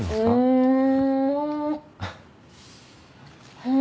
うん！